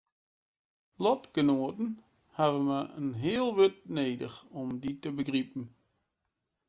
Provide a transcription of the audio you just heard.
Lotgenoaten hawwe mar in heal wurd nedich om dy te begripen.